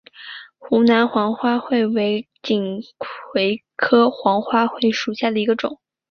湖南黄花稔为锦葵科黄花稔属下的一个种。